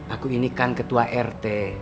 aku ini kan ketua rt